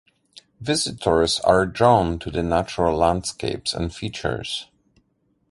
Visitors are drawn to the natural landscapes and features.